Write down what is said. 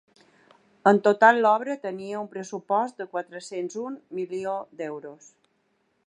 En total, l’obra tenia un pressupost de quatre-cents un milió d’euros.